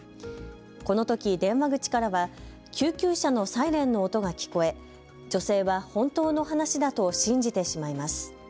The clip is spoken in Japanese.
このとき電話口からは救急車のサイレンの音が聞こえ女性は本当の話だと信じてしまいます。